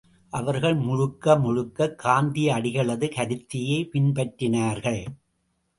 அவர்கள் முழுக்க முழுக்க காந்தியடிகளது கருத்தையே பின்பற்றினார்கள்.